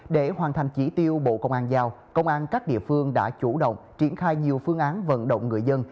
để hoàn thành chỉ tiêu bộ công an giao công an các địa phương đã chủ động triển khai nhiều phương án vận động người dân